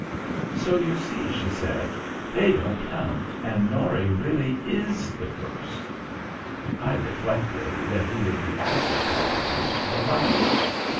"So you see," she said, "they don't count, and Norry really is the first." I reflected that he would be also, probably, the last.